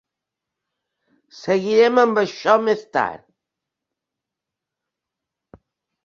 Seguirem amb això més tard.